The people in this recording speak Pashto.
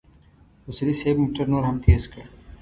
اصولي صیب موټر نور هم تېز کړ.